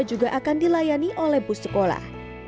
juga akan dilayani oleh bus sekolah